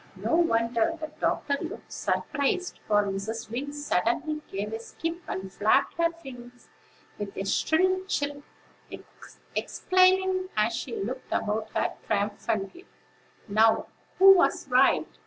No wonder the doctor looked surprised; for Mrs. Wing suddenly gave a skip, and flapped her wings, with a shrill chirp, exclaiming, as she looked about her triumphantly: "Now, who was right?